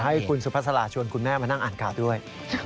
ให้คุณสุภาษาลาชวนคุณแม่มานั่งอ่านข่าวด้วย